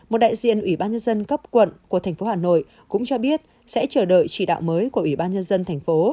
ủy ban dân cấp quận của thành phố hà nội cũng cho biết sẽ chờ đợi chỉ đạo mới của ủy ban dân dân thành phố